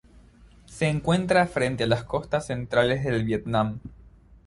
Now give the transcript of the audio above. Se encuentra frente a las costas centrales del Vietnam.